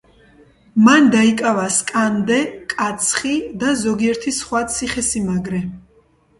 მან დაიკავა სკანდე, კაცხი და ზოგიერთი სხვა ციხესიმაგრე.